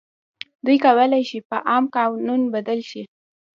دوی کولای شي په عام قانون بدل شي.